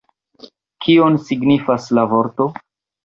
Kion signifas la vorto?